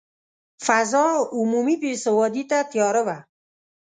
فضا عمومي بې ثباتي ته تیاره وه.